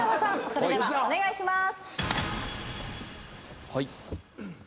それではお願いします。